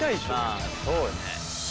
まあそうよね。